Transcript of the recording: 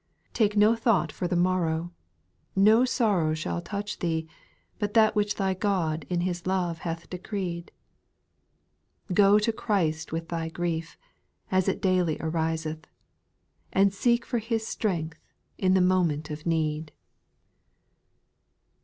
2. I Take no thought for the morrow*" no sor row shall touch thee, But that which thy God in His love hath decreed ; Go to Christ with thy grief — as it daily ariseth. And seek for His strength in the moment of need.